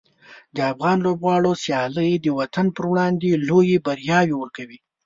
د افغان لوبغاړو سیالۍ د وطن پر وړاندې لویې بریاوې ورکوي.